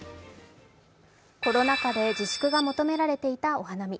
コロナ禍で自粛が求められていたお花見。